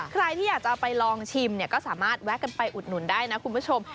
ใครที่อยากจะไปลองชิมเนี่ยก็สามารถแวะกันไปอุดหนุนได้นะคุณผู้ชม